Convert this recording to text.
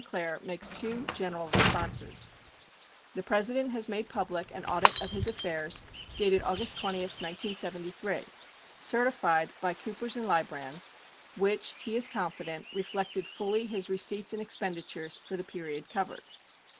Clair makes two general responses: The President has made public an audit of his affairs dated August 20, 1973, certified by Coopers & Lybrand, which, he is confident, reflected fully his receipts and expenditures for the period covered.